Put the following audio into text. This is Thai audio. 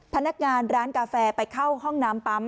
พนักงานร้านกาแฟไปเข้าห้องน้ำปั๊ม